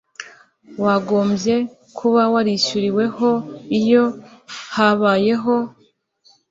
wagombye kuba warishyuriweho iyo habayeho